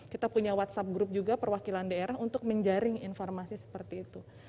kita punya whatsapp group juga perwakilan daerah untuk menjaring informasi seperti itu